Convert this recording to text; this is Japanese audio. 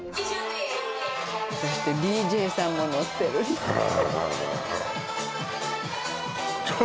そしてＤＪさんも乗ってるんですへえ